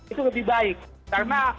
itu lebih baik